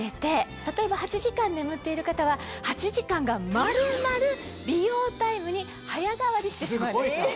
例えば８時間眠っている方は８時間が丸々美容タイムに早変わりしてしまうんです。